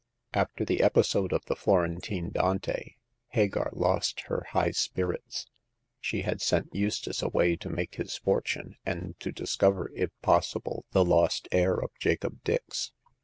After the episode of the Florentine Dante, Hagar lost her high spirits. She had sent Eus tace away t make his fortune, and to discover, if possible, the lost heir of Jacob Dix.